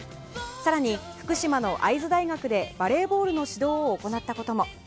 更に、福島の会津大学でバレーボールの指導を行ったことも。